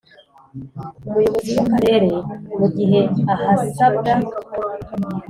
Umuyobozi w Akarere mu gihe ahasabwa